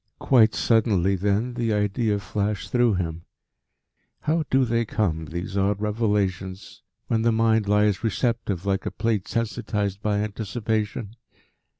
Quite suddenly, then, the idea flashed through him how do they come, these odd revelations, when the mind lies receptive like a plate sensitised by anticipation?